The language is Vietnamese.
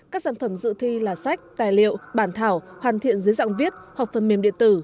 các sản phẩm dự thi là sách tài liệu bản thảo hoàn thiện dưới dạng viết hoặc phần mềm điện tử